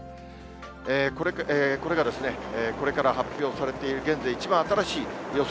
これがこれから発表されている現在、一番新しい予想